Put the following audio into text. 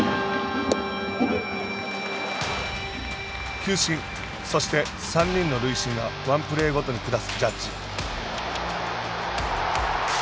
球審、そして、３人の塁審がワンプレーごとに下すジャッジ。